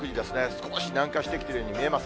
少し南下してきているように見えます。